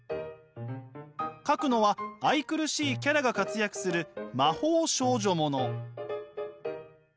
描くのは愛くるしいキャラが活躍する魔法少女もの。